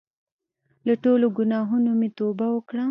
له ټولو ګناهونو مې توبه وکړه.